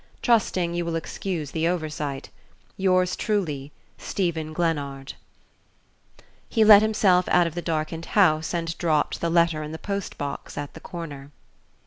"Trusting you will excuse the oversight, "Yours truly, "STEPHEN GLENNARD." He let himself out of the darkened house and dropped the letter in the post box at the corner.